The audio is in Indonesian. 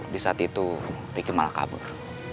di saat itu ricky malah kabur